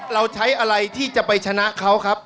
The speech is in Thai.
เราใช้อะไรที่จะไปชนะเขาครับ